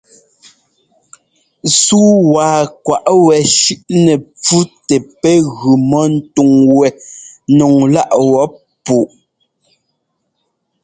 Súu wa kwaꞌ wɛ shʉ́ꞌnɛ ḿpfú tɛ pɛ́ gʉ mɔ ńtúŋ wɛ́ nɔŋláꞌ wɔp púꞌu.